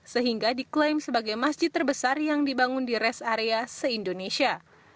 sehingga diklaim sebagai masjid terbesar yang dibangun di rest area se indonesia